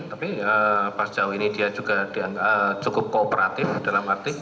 tapi pas jauh ini dia juga dianggap cukup kooperatif dalam arti